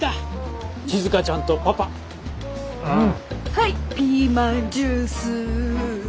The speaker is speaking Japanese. はいピーマンジュース。